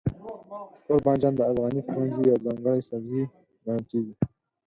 توربانجان د افغاني پخلنځي یو ځانګړی سبزی ګڼل کېږي.